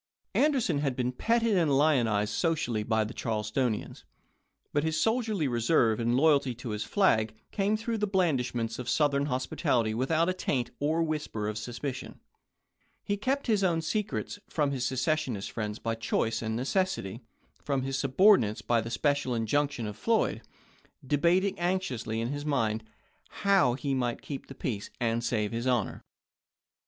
Anderson had been petted and lionized socially by the Charlestonians ; but his soldierly reserve and loyalty to his flag came through the blandish ments of Southern hospitality without a taint or whisper of suspicion. He kept his own secrets, from his secession friends by choice and necessity, from his subordinates by the special injunction of Floyd; debating anxiously in his own mind how he might keep the peace and save his honor.